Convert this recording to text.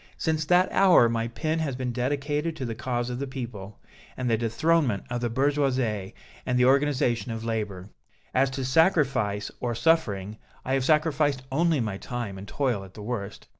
Since that hour my pen has been dedicated to the cause of the people, the dethronement of the Bourgeoisie and the organization of labor. As to sacrifice or suffering, I have sacrificed only my time and toil at the worst.